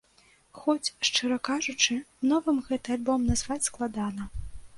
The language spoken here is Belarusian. Хоць, шчыра кажучы, новым гэты альбом назваць складана.